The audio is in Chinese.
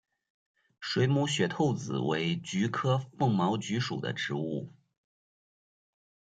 水母雪兔子为菊科风毛菊属的植物。